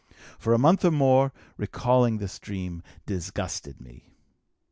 For a month or more, recalling this dream disgusted me.